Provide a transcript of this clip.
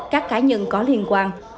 các cá nhân có liên quan